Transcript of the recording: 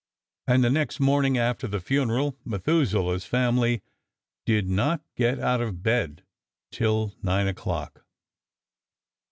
And the next morning after the funeral Methuselah's family did not get out of bed till 9 o'clock.